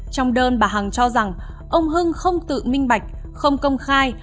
trong đơn bà hằng cho rằng ông hưng không tự minh bạch không công khai